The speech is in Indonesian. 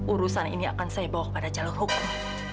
urusan ini akan saya bawa kepada jalur hukum